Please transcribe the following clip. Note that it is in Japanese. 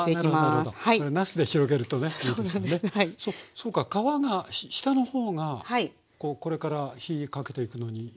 そうか皮が下のほうがこれから火かけていくのにいいんですか？